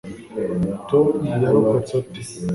tom yarokotse ate